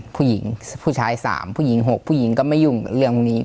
ผู้หญิงผู้ชาย๓ผู้หญิง๖ผู้หญิงก็ไม่ยุ่งเรื่องพวกนี้